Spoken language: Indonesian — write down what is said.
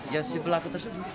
ya si pelaku tersebut